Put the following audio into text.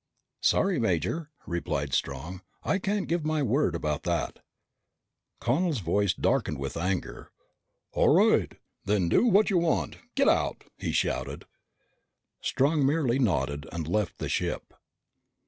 "Sorry, Major," replied Strong, "I can't give you my word about that." Connel's face darkened with anger. "All right! Then do what you want. Get out!" he shouted. Strong merely nodded and left the ship.